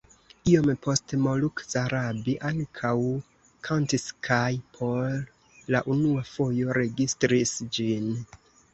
Iom poste Moluk Zarabi ankaŭ kantis kaj por la unua fojo registris ĝin.